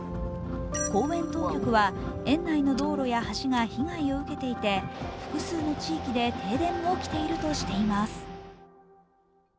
公園当局は園内の道路や橋が被害を受けていて、複数の地域で停電も起きているとしています。